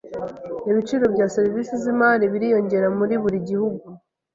Ibiciro bya serivisi zimari biriyongera muri buri gihugu.